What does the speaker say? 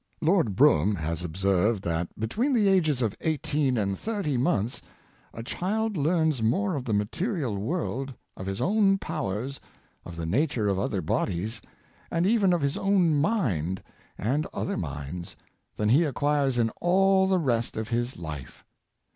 Lord Brougham has ob served that between the ages of eighteen and thirty months, a child learns more of the material world, of his own powers, of the nature of other bodies, and even of his own mind and other minds, than he acquires in all the rest of his life.